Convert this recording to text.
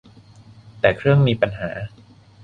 แต่เครื่องมีปัญหา